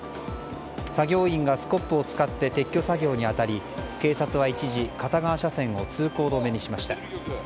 作業員がスコップを使って撤去作業に当たり、警察は一時片側車線を通行止めにしました。